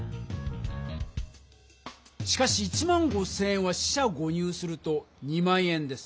しかし１５０００円は四捨五入すると２万円です。